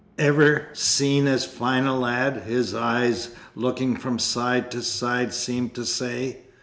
'Ever seen as fine a lad?' his eyes, looking from side to side, seemed to say.